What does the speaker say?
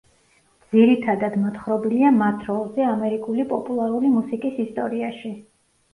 ძირითადად, მოთხრობილია მათ როლზე ამერიკული პოპულარული მუსიკის ისტორიაში.